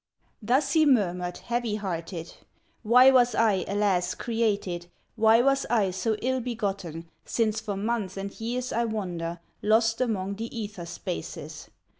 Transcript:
Thus he murmured, heavy hearted: "Why was I, alas! created, Why was I so ill begotten, Since for months and years I wander, Lost among the ether spaces?